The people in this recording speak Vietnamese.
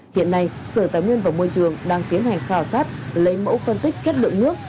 hiện nay sở tài nguyên và môi trường đang tiến hành khảo sát lấy mẫu phân tích chất lượng nước